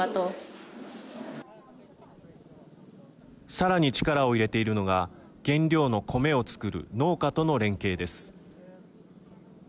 さらに力を入れているのが原料のコメを作る農家との連携です。